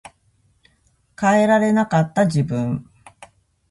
変えられなかった自分